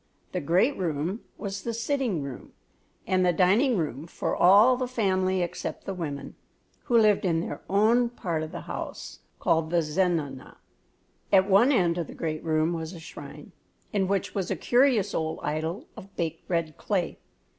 The great room was the sitting room and dining room for all the family except the women, who lived in their own part of the house, called the zenana. At one end of the great room was a shrine, in which was a curious old idol of baked red clay.